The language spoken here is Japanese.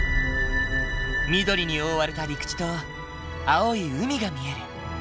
緑に覆われた陸地と青い海が見える。